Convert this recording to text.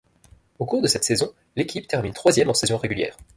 Au cours de cette saison, l'équipe termine troisième en saison régulière.